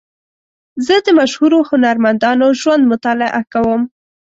زه د مشهورو هنرمندانو ژوند مطالعه کوم.